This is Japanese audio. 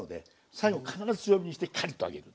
最後必ず強火にしてカリッと揚げる。